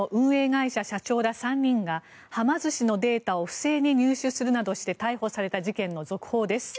会社社長ら３人がはま寿司のデータを不正に入手するなどして逮捕された事件の続報です。